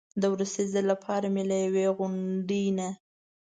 د وروستي ځل لپاره مې له یوې غونډۍ نه.